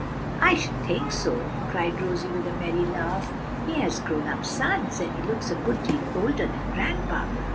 "I should think so!" cried Rosie, with a merry laugh. "He has grown up sons, and he looks a good deal older than grandpa."